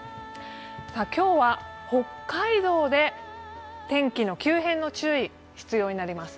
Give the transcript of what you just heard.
今日は北海道で天気の急変の注意必要になります。